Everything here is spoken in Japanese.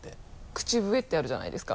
口笛ってあるじゃないですか。